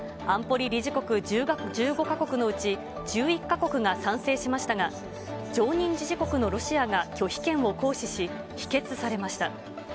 安保理理事国１５か国のうち、１１か国が賛成しましたが、常任理事国のロシアが拒否権を行使し、否決されました。